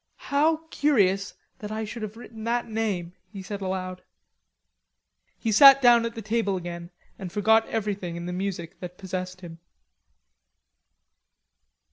How curious that I should have written that name!" he said aloud. He sat down at the table again and forgot everything in the music that possessed him.